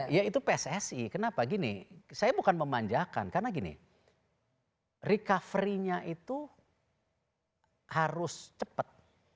ya itu pssi kenapa gini saya bukan memanjakan karena gini recovery nya itu harus cepat